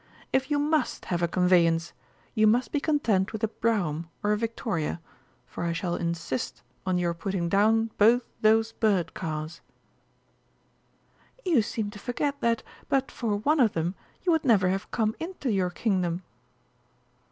If you must have a conveyance you must be content with a brougham or a victoria, for I shall insist on your putting down both those bird cars." "You seem to forget that, but for one of them, you would never have come into your Kingdom!"